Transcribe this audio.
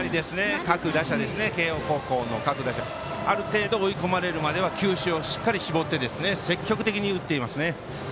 慶応高校の各打者ある程度、追い込まれるまでは球種をしっかり絞って積極的に打っていますね。